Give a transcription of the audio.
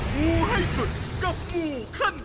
งูให้สุดกับงูขั้น